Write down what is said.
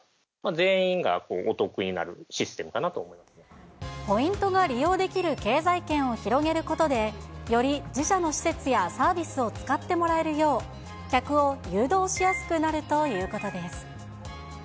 全員がお得になるシステムかなとポイントが利用できる経済圏を広げることで、より自社の施設やサービスを使ってもらえるよう、客を誘導しやすくなるということです。